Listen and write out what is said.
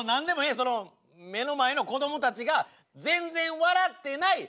その目の前の子どもたちが全然笑ってない！